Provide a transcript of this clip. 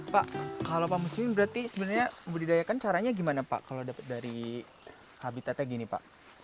pak kalau pak muslim berarti sebenarnya membudidayakan caranya gimana pak kalau dapat dari habitatnya gini pak